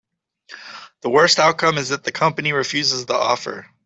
The worst outcome is that the company refuses the offer.